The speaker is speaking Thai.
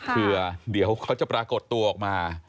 เผื่อเดี๋ยวเขาจะปรากฏตัวออกมา